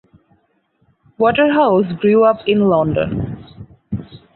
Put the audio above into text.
Waterhouse grew up in London.